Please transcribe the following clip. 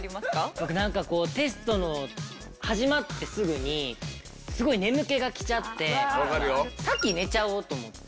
僕なんかこうテストの始まってすぐにすごい眠気がきちゃって先寝ちゃおうと思って。